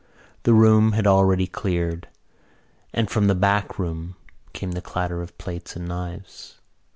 The room had already cleared and from the back room came the clatter of plates and knives.